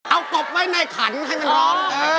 เอากบไว้ในขันให้มันร้อง